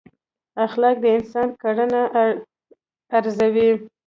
اخلاق د انسانانو کړنې ارزوي.